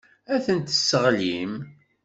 Ad tent-tesseɣlim.